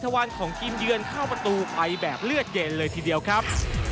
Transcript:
วันของทีมเยือนเข้าประตูไปแบบเลือดเย็นเลยทีเดียวครับ